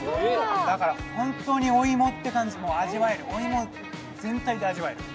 だから本当にお芋って感じ、お芋全体で味わえる。